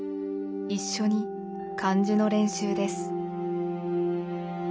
一緒に漢字の練習です。